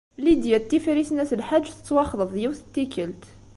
Lidya n Tifrit n At Lḥaǧ tettwaxḍeb yiwet n tikkelt.